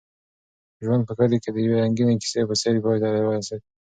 ژوند په کلي کې د یوې رنګینې کیسې په څېر پای ته ورسېد.